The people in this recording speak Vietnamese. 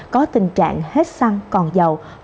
có tình trạng hết xăng còn dầu